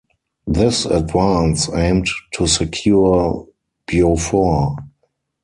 This advance aimed to secure Beaufort.